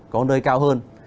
có nơi cao hơn